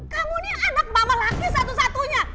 kamu nih anak mama laki satu satunya